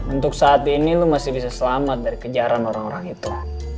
untuk saat ini lo masih bisa selamat dari kejaran orang orang itu